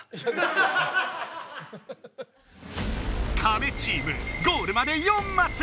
カメチームゴールまで４マス！